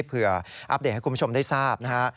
เผื่ออัพเดทให้คุณผู้ชมได้ทราบ